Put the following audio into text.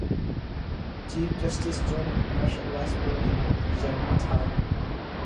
Chief Justice John Marshall was born in Germantown.